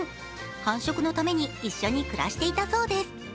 繁殖のために一緒に暮らしていたそうです。